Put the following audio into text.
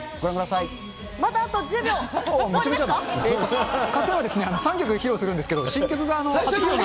ＫＡＴーＴＵＮは３曲披露するんですけど、新曲が。